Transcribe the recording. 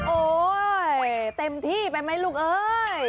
โอ๊ยเต็มที่ไปไหมลูกเอ้ย